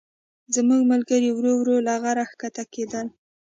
زموږ ملګري ورو ورو له غره ښکته کېدل.